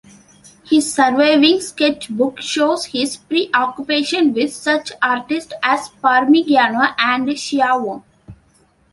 His surviving sketchbook shows his preoccupation with such artists as Parmigianino and Schiavone.